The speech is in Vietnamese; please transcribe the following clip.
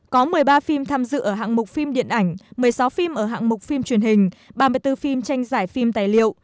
có một mươi ba phim tham dự ở hạng mục phim điện ảnh một mươi sáu phim ở hạng mục phim truyền hình ba mươi bốn phim tranh giải phim tài liệu